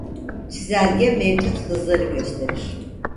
Çizelge mevcut hızları gösterir.